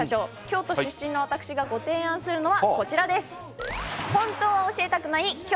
京都出身の私がご提案するのはこちらです。